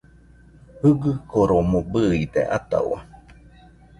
Jɨgɨkoromo bɨide atahau